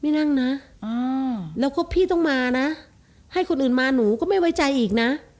นั่งนะแล้วก็พี่ต้องมานะให้คนอื่นมาหนูก็ไม่ไว้ใจอีกนะ